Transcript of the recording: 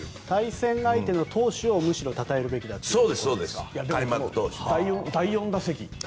対戦相手の投手をむしろたたえるべきだと。